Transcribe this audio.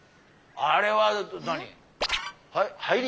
あれは何？